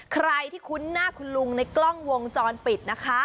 ใครที่คุ้นหน้าคุณลุงในกล้องวงจรปิดนะคะ